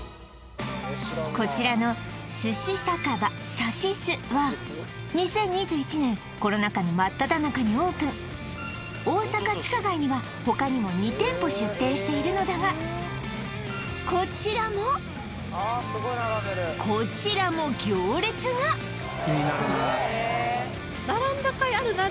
こちらのは２０２１年コロナ禍の真っただ中にオープン大阪地下街には他にも２店舗出店しているのだがこちらもこちらも行列がすごっ！